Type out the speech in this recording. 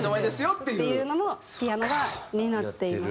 っていうのもピアノが担っています。